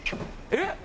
えっ？